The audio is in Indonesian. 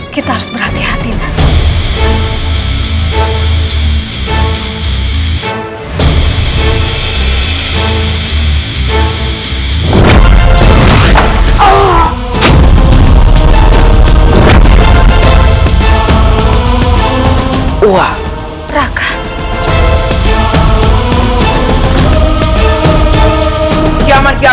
kita harus berhati hatilah